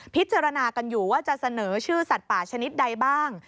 พิจารณากันอยู่ว่าจะเสนอชื่อสัตว์ป่าชนิดใดบ้าง